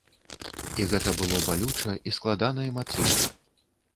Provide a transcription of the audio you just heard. І гэта было балюча і складана эмацыйна.